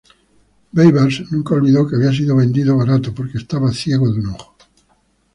Baibars nunca olvidó que había sido vendido barato porque estaba ciego de un ojo.